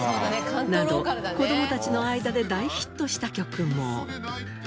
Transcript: など子どもたちの間で大ヒットした曲も。